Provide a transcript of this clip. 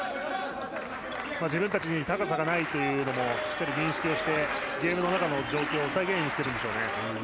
自分たちに高さがないというのもしっかり認識をしてゲームの中の状況を再現しているんでしょうね。